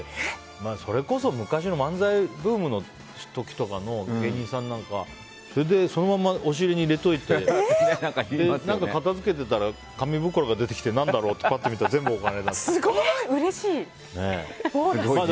それこそ昔の漫才ブームの時とかの芸人さんなんかそのままお尻に入れておいて押し入れに入れておいて片づけてたら、紙袋が出てきて何だろうってぱって見たら全部お金だったって。